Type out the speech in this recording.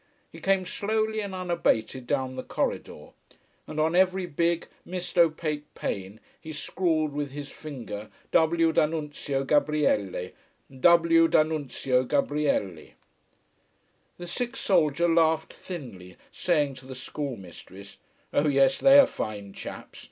He came slowly and unabated down the corridor, and on every big, mist opaque pane he scrawled with his finger W D'ANNUNZIO GABRIELE W D'ANNUNZIO GABRIELE. The sick soldier laughed thinly, saying to the schoolmistress: "Oh yes, they are fine chaps.